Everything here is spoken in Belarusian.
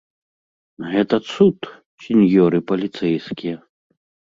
Гэта цуд, сіньёры паліцэйскія!